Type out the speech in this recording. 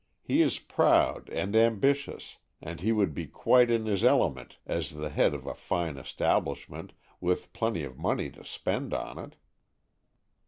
He is proud and ambitious, and he would be quite in his element as the head of a fine establishment, with plenty of money to spend on it."